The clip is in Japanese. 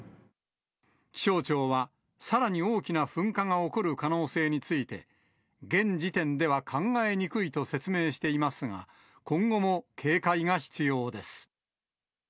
気象庁は、さらに大きな噴火が起こる可能性について、現時点では考えにくいと説明していますが、今後も警戒が必要です。